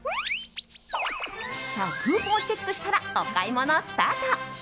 さあ、クーポンをチェックしたらお買い物スタート。